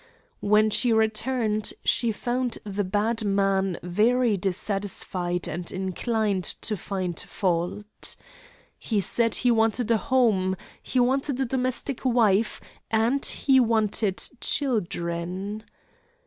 When she returned she found the bad man very dissatisfied and inclined to find fault. He said he wanted a home; he wanted a domestic wife, and he wanted children.